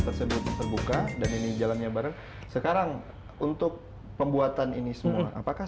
tersebut terbuka dan ini jalannya bareng sekarang untuk pembuatan ini semua apakah